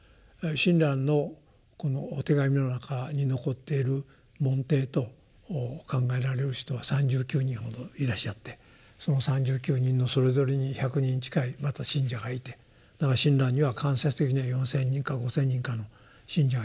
親鸞のこの手紙の中に残っている門弟と考えられる人は３９人ほどいらっしゃってその３９人のそれぞれに１００人近いまた信者がいてだから親鸞には間接的には４，０００人か５，０００人かの信者がいらしたんでしょう。